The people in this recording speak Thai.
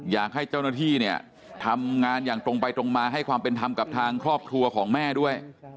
อยากให้เจ้าหน้าที่เนี่ยทำงานอย่างตรงไปตรงมาให้ความเป็นธรรมกับทางครอบครัวของแม่ด้วย